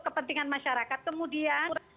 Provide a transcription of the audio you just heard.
kepentingan masyarakat kemudian